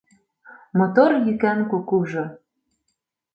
Мотор йӱкан кукужо